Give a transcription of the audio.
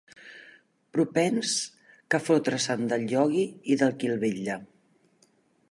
Propens que fotre-se'n del Iogui i de qui el vetlla.